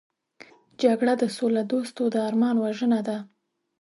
جګړه د سولهدوستو د ارمان وژنه ده